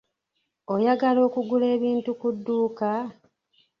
Oyagala okugula ebintu ku dduuka?